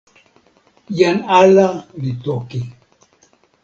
jan ala li toki.